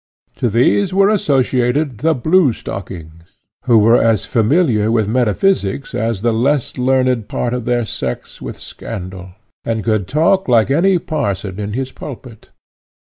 To these were associated the blue stockings, who were as familiar with metaphysics as the less learned part of their sex with scandal, and could talk like any parson in his pulpit.